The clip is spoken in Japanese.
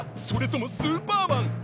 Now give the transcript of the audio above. それともスーパーマン？